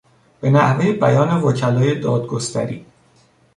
به نحوهی بیان وکلای دادگستری